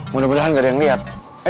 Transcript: mudah mudahan gak ada yang lihat